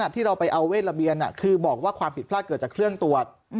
ที่เราไปเอาเวทระเบียนคือบอกว่าความผิดพลาดเกิดจากเครื่องตรวจ